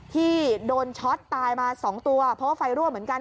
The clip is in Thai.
ที่โดนช็อตตายมาสองตัวเพราะว่าไฟรั่วเหมือนกัน